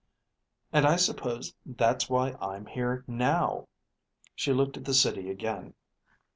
And I suppose that's why I'm here now." She looked at the City again.